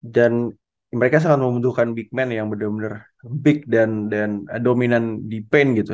dan mereka sangat membutuhkan big man yang bener bener big dan dan dominan di paint gitu